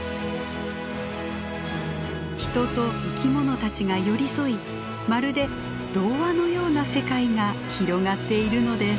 人と生き物たちが寄り添いまるで童話のような世界が広がっているのです。